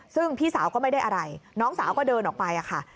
ซึ่งพี่สาวก็ไม่ได้อะไรน้องสาวก็เดินออกไปค่ะ